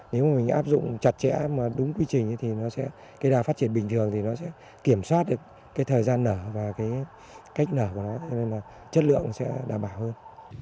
nếu mình áp dụng chặt chẽ và đúng quy trình cây đào phát triển bình thường sẽ kiểm soát được thời gian nở và cách nở của nó cho nên chất lượng sẽ đảm bảo hơn